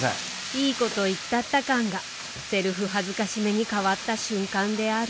いいこと言ったった感がセルフ辱めにかわった瞬間である。